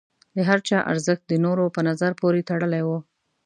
د هر چا ارزښت د نورو په نظر پورې تړلی و.